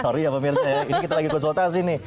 sorry ya pemirsa ya ini kita lagi konsultasi nih